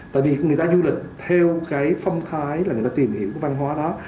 tại vì người ta du lịch theo cái phong thái là người ta tìm hiểu cái văn hóa đó